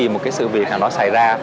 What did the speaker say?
một cái sự việc nào đó xảy ra